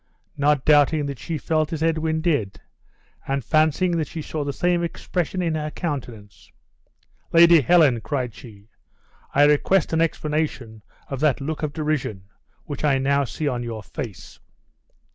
Not doubting that she felt as Edwin did, and fancying that she saw the same expression in her countenance. "Lady Helen," cried she, "I request an explanation of that look of derision which I now see on your face.